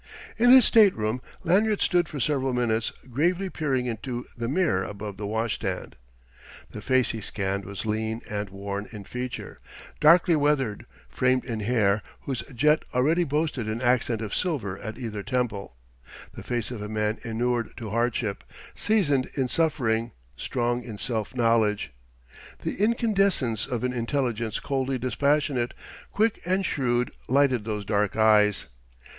In his stateroom Lanyard stood for several minutes gravely peering into the mirror above the washstand. The face he scanned was lean and worn in feature, darkly weathered, framed in hair whose jet already boasted an accent of silver at either temple the face of a man inured to hardship, seasoned in suffering, strong in self knowledge. The incandescence of an intelligence coldly dispassionate, quick and shrewd, lighted those dark eyes.